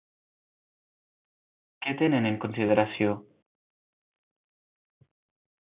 Què tenen en consideració?